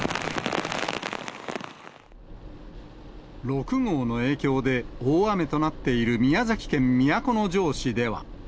６号の影響で、大雨となっている、宮崎県都城市では。